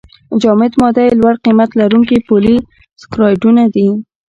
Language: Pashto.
جامد ماده یې لوړ قیمت لرونکي پولې سکرایډونه دي.